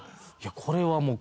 これはもう。